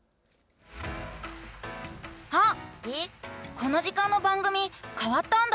この時間の番組変わったんだ。